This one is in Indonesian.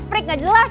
freak nggak jelas